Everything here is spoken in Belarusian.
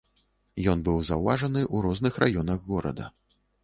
Ён быў заўважаны ў розных раёнах горада.